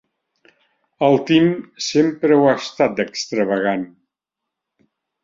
El Tim sempre ho ha estat, d'extravagant.